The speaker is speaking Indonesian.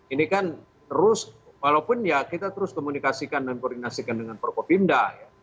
ini kan terus walaupun ya kita terus komunikasikan dan koordinasikan dengan prokopimda ya